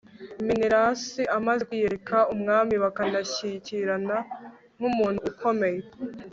menelasi amaze kwiyereka umwami, bakanashyikirana nk'umuntu ukomeye